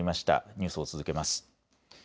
ニュースを続けます。